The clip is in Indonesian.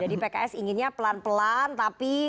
jadi pks inginnya pelan pelan tapi